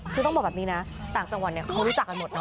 คือต้องบอกแบบนี้นะต่างจังหวัดเขารู้จักกันหมดเน